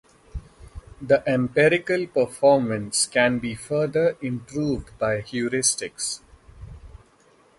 The empirical performance can be further improved by heuristics.